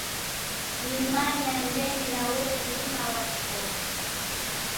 Milima ya Ndene na ule Mlima wa Nengoma